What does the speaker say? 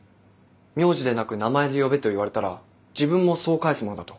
名字でなく名前で呼べと言われたら自分もそう返すものだと。